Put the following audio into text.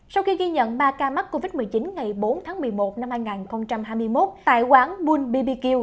sau khi ghi nhận ba ca mắc covid một mươi chín ngày bốn tháng một mươi một năm hai nghìn hai mươi một tại quán bulbq